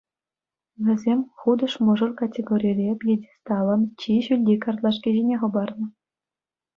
Вӗсем «Хутӑш мӑшӑр» категорире пьедесталӑн чи ҫӳлти картлашки ҫине хӑпарнӑ.